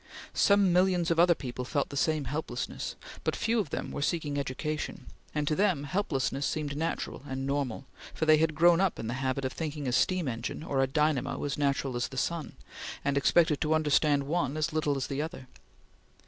Some millions of other people felt the same helplessness, but few of them were seeking education, and to them helplessness seemed natural and normal, for they had grown up in the habit of thinking a steam engine or a dynamo as natural as the sun, and expected to understand one as little as the other.